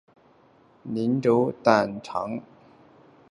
鳞轴短肠蕨为蹄盖蕨科短肠蕨属下的一个种。